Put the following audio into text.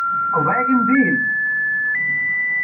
A wagon wheel!